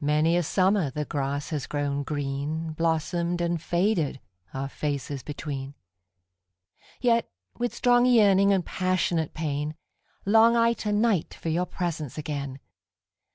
Many a summer the grass has grown green, Blossomed and faded, our faces between:Yet, with strong yearning and passionate pain, Long I to night for your presence again.